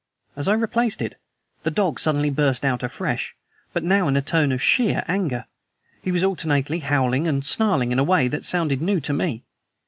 As I replaced it the dog suddenly burst out afresh, but now in a tone of sheer anger. He was alternately howling and snarling in a way that sounded new to me.